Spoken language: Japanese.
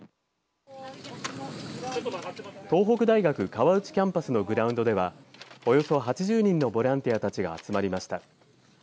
東北大学川内キャンパスのグラウンドではおよそ８０人のボランティアたちが集まりました。